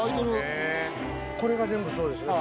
これが全部そうですね？